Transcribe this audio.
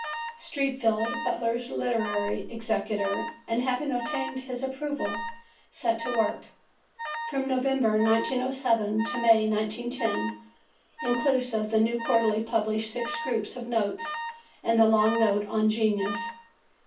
Streatfeild, Butler's literary executor, and, having obtained his approval, set to work. From November 1907 to May 1910, inclusive, the New Quarterly published six groups of notes and the long note on "Genius" (pp.